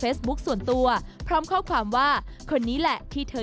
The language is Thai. ส่วนตัวพร้อมข้อความว่าคนนี้แหละที่เธอ